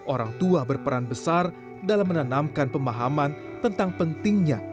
orang tua berperan besar dalam menanamkan pemahaman tentang pentingnya